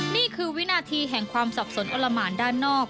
นี่คือวินาทีแห่งความสับสนอนละหมานด้านนอก